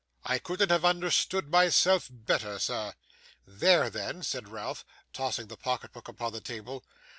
'I couldn't have understood myself better, sir.' 'There, then,' said Ralph, tossing the pocket book upon the table.